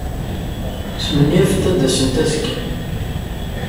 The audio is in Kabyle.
Smenyafent ad d-asent azekka.